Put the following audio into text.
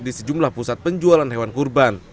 di sejumlah pusat penjualan hewan kurban